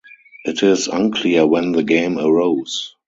It is unclear when the game arose.